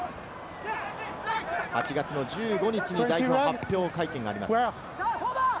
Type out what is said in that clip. ８月の１５日に代表発表会見があります。